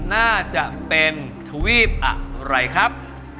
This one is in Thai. น่าจะเป็นทวีปอะไรครับ